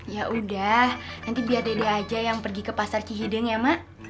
ya udah nanti biar dede aja yang pergi ke pasar cihideng ya mak